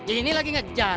ini lagi ngejar